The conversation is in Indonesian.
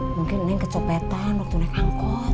mungkin naik kecopetan waktu naik angkot